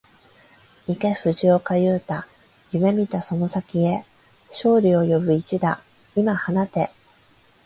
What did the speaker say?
行け藤岡裕大、夢見たその先へ、勝利を呼ぶ一打、今放て